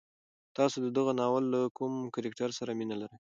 تاسو د دغه ناول له کوم کرکټر سره مینه لرئ؟